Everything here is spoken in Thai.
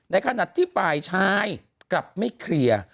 ในขณะที่ฝ่ายชายกลับไม่เคลียร์